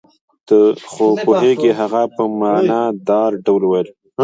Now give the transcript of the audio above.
ته خو پوهېږې. هغه په معنی دار ډول وویل.